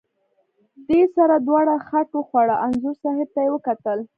دې سره دواړو خټ وخوړه، انځور صاحب ته یې وکتل.